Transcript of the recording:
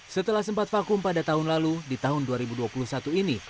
setelah sempat vakum pada tahun lalu di tahun dua ribu dua puluh satu ini